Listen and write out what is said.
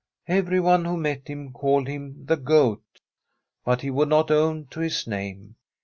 Everyone who met him called him the ' Goat.' But he would not own to this name.